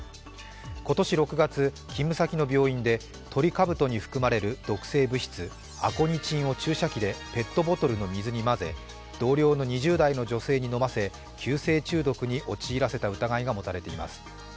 今年６月、勤務先の病院でトリカブトに含まれる毒性物質、アコニチンを注射器でペットボトルの水に混ぜ、同僚の２０代の女性に飲ませ、急性中毒に陥らせた疑いが持たれています。